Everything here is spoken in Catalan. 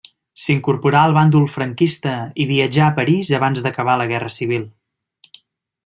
S'incorporà al bàndol franquista i viatjà a París abans d'acabar la Guerra Civil.